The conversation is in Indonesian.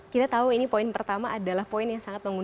kita tahu ini poin pertama adalah poin yang sangat menguntung